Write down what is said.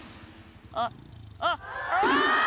「あっあっあ！」